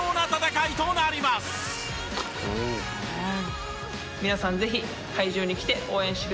「うん」